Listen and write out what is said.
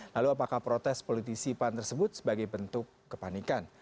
lalu apakah protes politisi pan tersebut sebagai bentuk kepanikan